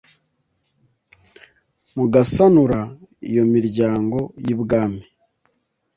Mugasanura iyo miryango.yibwami